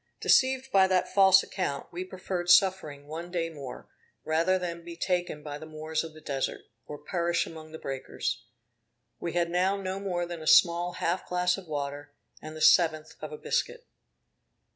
Deceived by that false account, we preferred suffering one day more, rather than be taken by the Moors of the Desert, or perish among the breakers. We had now no more than a small half glass of water, and the seventh of a biscuit.